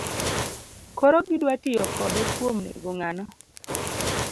Koro gidwa tiyo kode kuom nego ng'ano